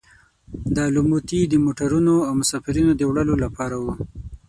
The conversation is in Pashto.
دا لوموتي د موټرونو او مسافرینو د وړلو لپاره وو.